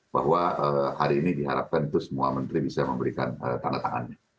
bahwa hari ini diharapkan itu semua menteri bisa memberikan tanda tangannya